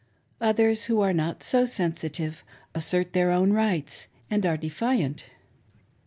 Others, who are not so sensitive, assert their own rights and are defiant.